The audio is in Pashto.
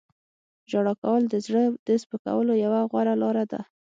• ژړا کول د زړه د سپکولو یوه غوره لاره ده.